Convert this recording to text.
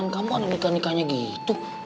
kamu ada nikah nikahnya gitu